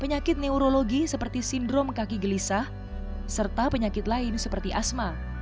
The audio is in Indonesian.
penyakit jiwa seperti depresi penyakit neurologi seperti sindrom kaki gelisah serta penyakit lain seperti asma